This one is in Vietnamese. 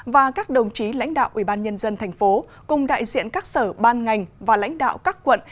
và các đồng chí lãnh đạo ubnd tp cùng đại diện các sở ban ngành và lãnh đạo các quận